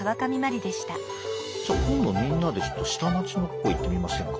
じゃあ今度みんなで下町の方行ってみませんか？